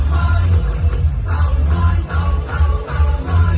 มันเป็นเมื่อไหร่แล้ว